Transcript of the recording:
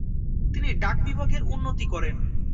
তিনি ডাক বিভাগের উন্নতি করেন।